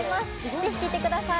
ぜひ聞いてください。